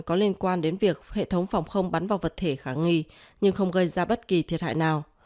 có liên quan đến việc hệ thống phòng không bắn vào vật thể khả nghi nhưng không gây ra bất kỳ thiệt hại nào